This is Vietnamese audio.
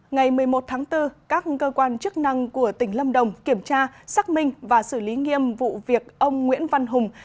ngày một mươi một tháng bốn các cơ quan chức năng của tỉnh lâm đồng kiểm tra xác minh và xử lý nghiêm vụ việc ông nguyễn văn hùng